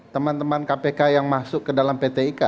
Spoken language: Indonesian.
teman teman kpk yang masuk ke dalam pt ika